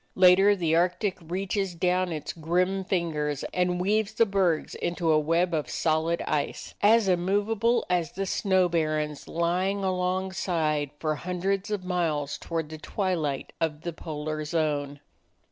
Later the Arctic reaches down its grim fingers and weaves the bergs into a web of solid ice, as immovable as the snow barrens lying along side for hundreds of miles toward the twilight of the polar zone.